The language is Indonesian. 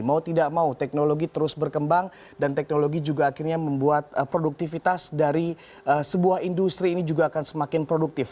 mau tidak mau teknologi terus berkembang dan teknologi juga akhirnya membuat produktivitas dari sebuah industri ini juga akan semakin produktif